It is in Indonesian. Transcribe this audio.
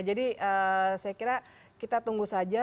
jadi saya kira kita tunggu saja